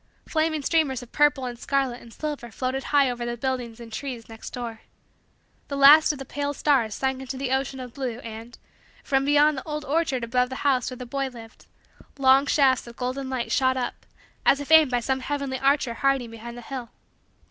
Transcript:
Flaming streamers of purple and scarlet and silver floated high over the buildings and trees next door. The last of the pale stars sank into the ocean of blue and, from behind the old orchard above the house where the boy lived, long shafts of golden light shot up as if aimed by some heavenly archer hiding behind the hill.